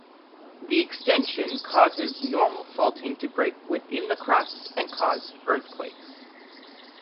The extension causes normal faulting to break within the crust and cause earthquakes.